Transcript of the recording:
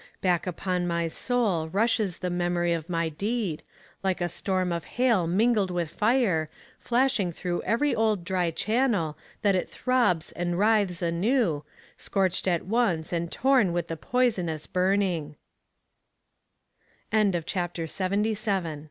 Back upon my soul rushes the memory of my deed, like a storm of hail mingled with fire, flashing through every old dry channel, that it throbs and writhes anew, scorched at once and torn with the poisonous burning." CHAPTER XI. THE WANDERING JEW.